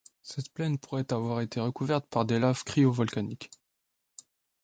Cette plaine pourrait avoir été recouverte par des laves cryovolcaniques.